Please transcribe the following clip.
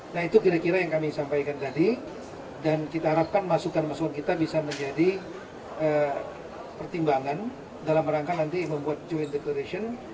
nah itu kira kira yang kami sampaikan tadi dan kita harapkan masukan masukan kita bisa menjadi pertimbangan dalam rangka nanti membuat joint declaration